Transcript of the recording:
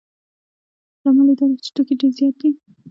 لامل یې دا دی چې توکي ډېر زیات دي